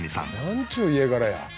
「なんちゅう家柄や」